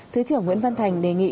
thứ trưởng nguyễn văn thành đề nghị